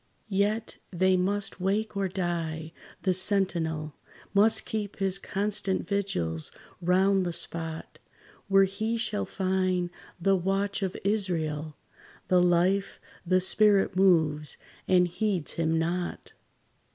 Yet they must wake or die; the sentinel Must keep his constant vigils round the spot Where he shall find the watch of Israel: The life, the spirit moves, and heeds him not.